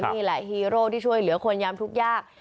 นี่แหละฮีโร่ที่ช่วยเหลือคนยามทุกข์ยาก